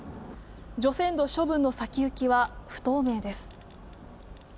除染土処分の先行きは不透明です。